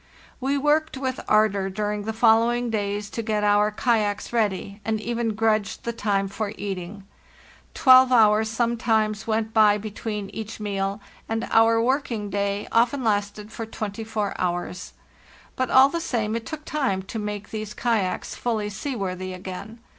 We worked with ardor during the following days to get our kayaks ready, and even grudged the time for eating. Twelve hours sometimes went by between each meal, and our working day often lasted for twenty four hours. But all the same it took time to make these kayaks fully seaworthy again.